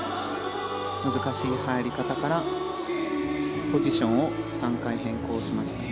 難しい入り方からポジションを３回変更しました。